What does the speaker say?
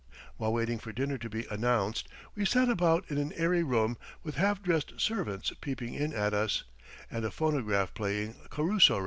While waiting for dinner to be announced, we sat about in an airy room, with half dressed servants peeping in at us, and a phonograph playing Caruso records.